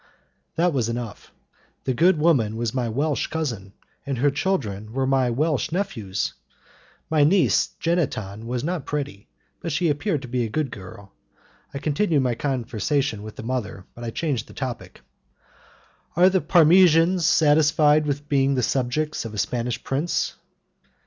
That was enough. The good woman was my Welsh cousin, and her children were my Welsh nephews. My niece Jeanneton was not pretty; but she appeared to be a good girl. I continued my conversation with the mother, but I changed the topic. "Are the Parmesans satisfied with being the subjects of a Spanish prince?"